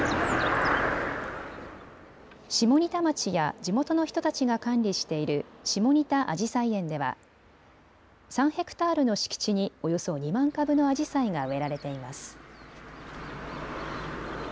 下仁田町や地元の人たちが管理している下仁田あじさい園では３ヘクタールの敷地におよそ２万株のアジサイが植えられています。